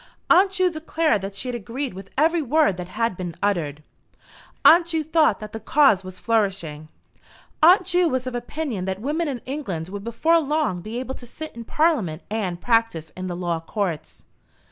Aunt Ju declared that she had agreed with every word that had been uttered. Aunt Ju thought that the cause was flourishing. Aunt Ju was of opinion that women in England would before long be able to sit in Parliament and practise in the Law Courts.